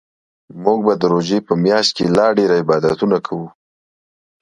موږ به د روژې په میاشت کې لا ډیرعبادتونه کوو